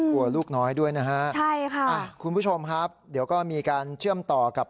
ลูกน้อยด้วยนะฮะใช่ค่ะคุณผู้ชมครับเดี๋ยวก็มีการเชื่อมต่อกับ